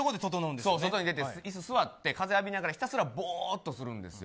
外に出て、いすに座って風浴びながら、ひたすらぼーっとするんですよ。